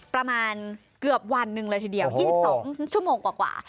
ประมาณเกือบวันหนึ่งเลยทีเดียว๒๒ชั่วโมงกว่า